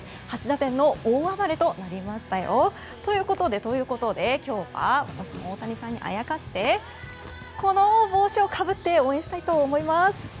８打点の大暴れとなりましたよ。ということで、今日は私も大谷さんにあやかってこの帽子をかぶって応援したいと思います。